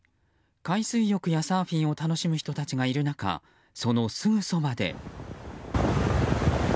海水浴やサーフィンを楽しむ人たちがいる中そのすぐそばで。